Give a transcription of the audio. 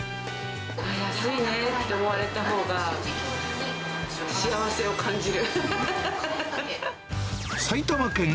安いねって思われたほうが、幸せを感じる。